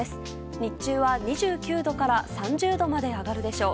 日中は２９度から３０度まで上がるでしょう。